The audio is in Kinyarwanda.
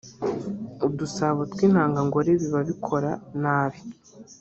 udusabo tw’intangangore biba bikora nabi